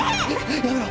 やめろ！